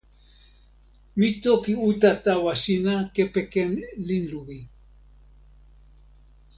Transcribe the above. mi toki uta tawa sina kepeken linluwi.